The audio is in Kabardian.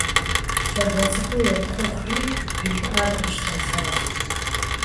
Щӏалэ цӏыкӏур епхъухри и пыӏэр къищтэжащ.